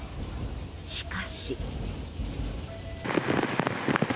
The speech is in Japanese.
しかし。